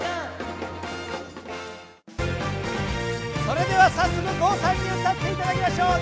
それでは早速郷さんに歌って頂きましょう！